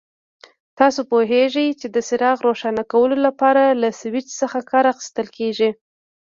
تاسو پوهیږئ چې د څراغ روښانه کولو لپاره له سوېچ څخه کار اخیستل کېږي.